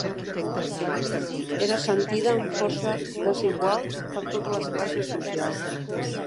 La crisi era sentida amb força desigual per totes les classes socials.